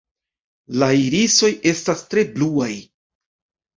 La irisoj estas tre bluaj.